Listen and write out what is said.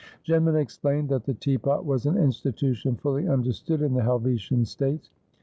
Jinman explained that the teapot was an institution fully understood in the Helvetian States.